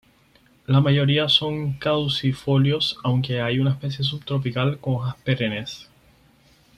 La mayoría son caducifolios, aunque hay una especie subtropical con hojas perennes.